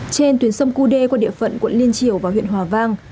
trên tuyến sông cú đê qua địa phận quận liên triều và huyện hòa vang